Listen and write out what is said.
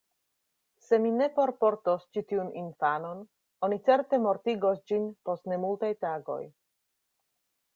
"Se mi ne forportos ĉi tiun infanon, oni certe mortigos ĝin post nemultaj tagoj.